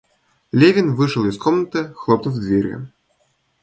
Левин вышел из комнаты, хлопнув дверью.